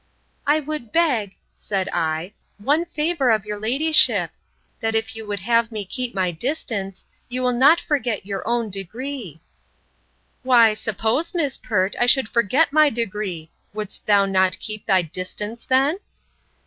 I would beg, said I, one favour of your ladyship, That if you would have me keep my distance, you will not forget your own degree.—Why, suppose, Miss Pert, I should forget my degree, wouldst thou not keep thy distance then?